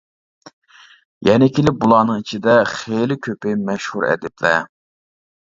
يەنە كېلىپ بۇلارنىڭ ئىچىدە خېلى كۆپى مەشھۇر ئەدىبلەر.